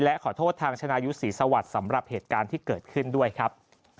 และขอโทษทางชนายุทธ์ศรีสวัสดิ์สำหรับเหตุการณ์ที่เกิดขึ้นด้วยครับ